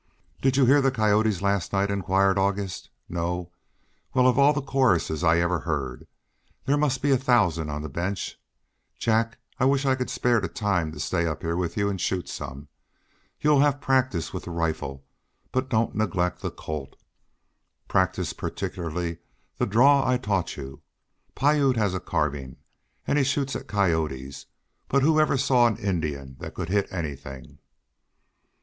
"Did you hear the coyotes last night?" inquired August. "No! Well, of all the choruses I ever heard. There must be a thousand on the bench. Jack, I wish I could spare the time to stay up here with you and shoot some. You'll have practice with the rifle, but don't neglect the Colt. Practice particularly the draw I taught you. Piute has a carbine, and he shoots at the coyotes, but who ever saw an Indian that could hit anything?"